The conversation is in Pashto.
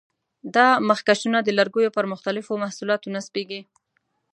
دا مخکشونه د لرګیو پر مختلفو محصولاتو نصبېږي.